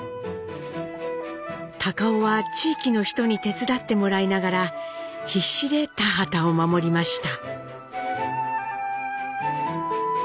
たかをは地域の人に手伝ってもらいながら必死で田畑を守りました。